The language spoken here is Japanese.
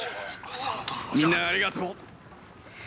みんなありがとう。